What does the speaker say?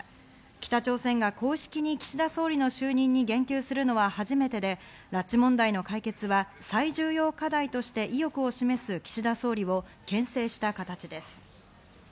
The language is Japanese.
北朝鮮が公式に岸田総理の就任に言及するのは初めてで、拉致問題の解決は最重要課題として意欲を示す岸田総理を牽制した形です。